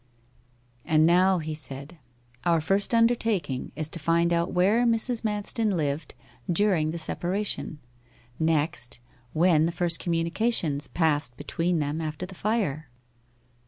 'And now,' he said, 'our first undertaking is to find out where Mrs. Manston lived during the separation; next, when the first communications passed between them after the fire.